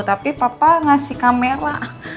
tapi papa ngasih kamera